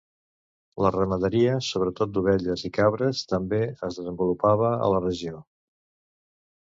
La ramaderia, sobretot d'ovelles i cabres, també es desenvolupava a la regió.